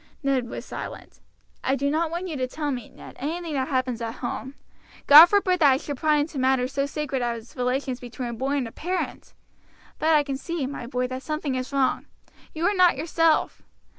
Ned was silent. "I do not want you to tell me, Ned, anything that happens at home God forbid that I should pry into matters so sacred as relations between a boy and a parent! but I can see, my boy, that something is wrong. You are not yourself.